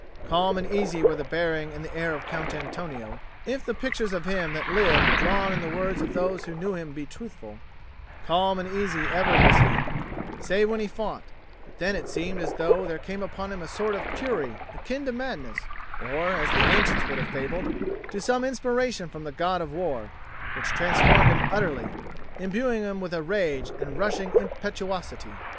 Calm and easy were the bearing and the air of Count Antonio, if the pictures of him that live drawn in the words of those who knew him be truthful; calm and easy ever was he, save when he fought; but then it seemed as though there came upon him a sort of fury akin to madness, or (as the ancients would have fabled) to some inspiration from the God of War, which transformed him utterly, imbuing him with a rage and rushing impetuosity.